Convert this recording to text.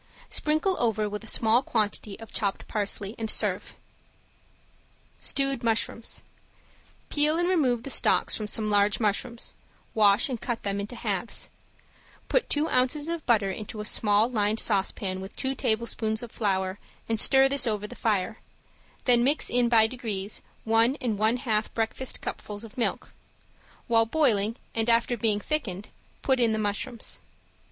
Sprinkle over with a small quantity of chopped parsley, and serve. ~STEWED MUSHROOMS~ Peel and remove the stalks from some large mushrooms, wash and cut them into halves; put two ounces of butter into a small lined saucepan with two tablespoonfuls of flour and stir this over the fire, then mix in by degrees one and one half breakfast cupfuls of milk; while boiling and after being thickened, put in the mushrooms.